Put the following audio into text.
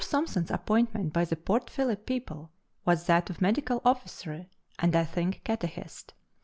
Thomson's appointment by the Port Phillip people, was that of medical officer, and I think catechist.